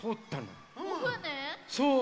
そう。